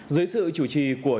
giới sự chủ trì của tổ quốc